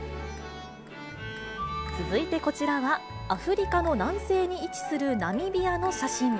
続いてこちらは、アフリカの南西に位置するナミビアの写真。